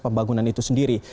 pembangunan itu sendiri